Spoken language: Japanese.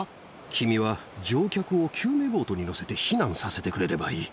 君は乗客を救命ボートに乗せて避難させてくれればいい。